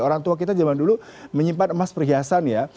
orang tua kita zaman dulu menyimpan emas perhiasan ya